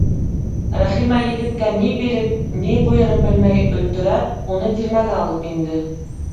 Рәхимә егеткә ни биреп, ни ҡуйырын белмәй, өлтөрәп, уны тирмәгә алып инде.